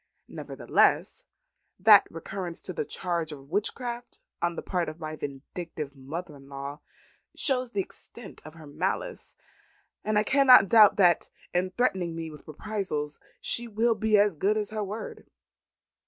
Nevertheless, that recurrence to the charge of witchcraft on the part of my vindictive mother in law shows the extent of her malice, and I cannot doubt that in threatening me with reprisals she will be as good as her word.